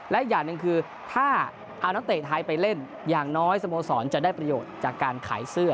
และอย่างหนึ่งคือถ้าเอานักเตะไทยไปเล่นอย่างน้อยสโมสรจะได้ประโยชน์จากการขายเสื้อ